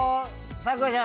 咲楽ちゃん。